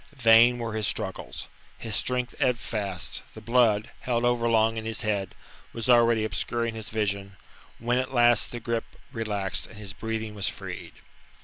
Vain were his struggles. His strength ebbed fast; the blood, held overlong in his head, was already obscuring his vision, when at last the grip relaxed, and his breathing was freed.